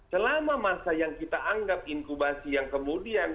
selama masa yang kita anggap inkubasi yang kemudian